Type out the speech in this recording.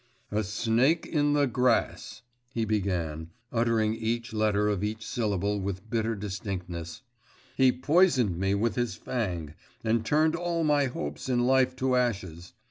'A snake in the grass,' he began, uttering each letter of each syllable with bitter distinctness, 'has poisoned me with his fang, and turned all my hopes in life to ashes.